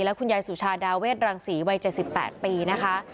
และคุณยายสุชาดาเวทรังศรีวัย๗๘ปีนะคะ